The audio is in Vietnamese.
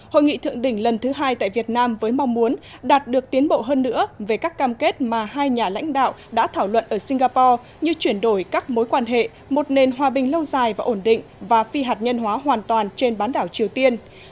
hội nghị thượng đỉnh lần thứ hai tại việt nam với mong muốn đạt được tiến bộ hơn nữa về các cam kết mà hai nhà lãnh đạo đã thảo luận ở singapore như chuyển đổi các mối quan hệ một nền hòa bình lâu dài và ổn định và phi hạt nhân hóa hoàn toàn trên bán đảo triều tiên